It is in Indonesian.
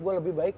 gue lebih baik